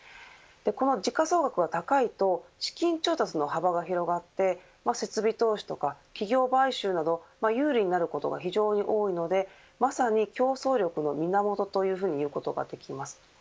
この時価総額が高いと資金調達の幅が広がって設備投資とか企業買収など有利になることが非常に多いのでまさに競争力の源というふうにいうことができます